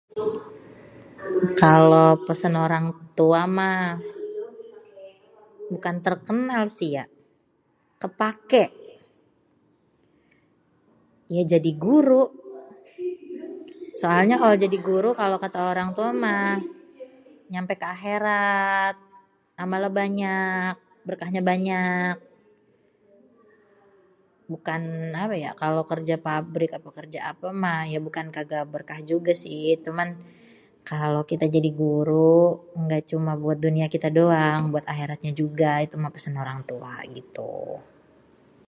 Kalo pesén orang tua mah, bukan terkenal sih yak, kepaké. Ya jadi guru. Soalnya kalo jadi guru, kalo kata orang tua mah nyampé ke akhèrat, amalnya banyak, berkahnya banyak. Bukan apa yak, kalo kerja pabrik apa kerja apa mah ya bukan kagak berkah juga sih cuman kalo kita jadi guru nggak cuman buat dunia kita doang, buat akhèratnya juga. Itu mah pesén orang tua, gitu.